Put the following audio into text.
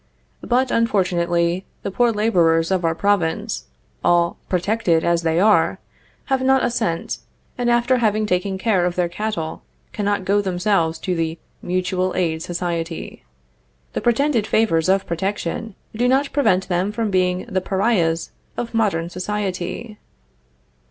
But, unfortunately, the poor laborers of our province, all protected as they are, have not a cent, and, after having taken care of their cattle, cannot go themselves to the Mutual Aid Society. The pretended favors of protection do not prevent them from being the pariahs of modern society.